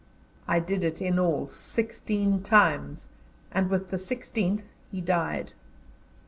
I did it in all sixteen times, and with the sixteenth he died.